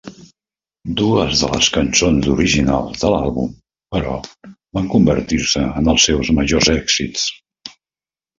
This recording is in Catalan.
Dues de les cançons originals de l'àlbum, però, van convertir-se en els seus majors èxits.